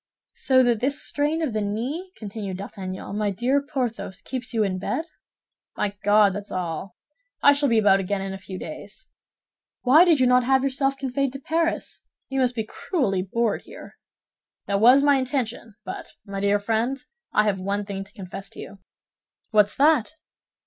"So that this strain of the knee," continued D'Artagnan, "my dear Porthos, keeps you in bed?" "My God, that's all. I shall be about again in a few days." "Why did you not have yourself conveyed to Paris? You must be cruelly bored here." "That was my intention; but, my dear friend, I have one thing to confess to you." "What's that?"